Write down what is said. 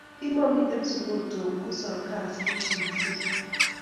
Kimamiten sugul Tom kosok kasi negisirtoi